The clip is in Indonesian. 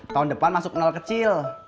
tahun depan masuk nol kecil